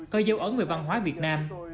cơ dâu ẩn về văn hóa việt nam